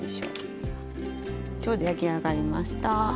ちょうど焼き上がりました。